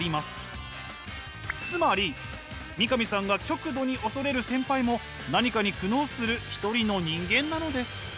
つまり三上さんが極度に恐れる先輩も何かに苦悩するひとりの人間なのです。